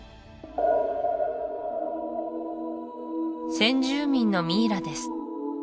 先住民のミイラです